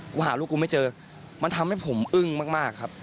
หาลูกกูไม่เจอมันทำให้ผมอึ้งมากครับ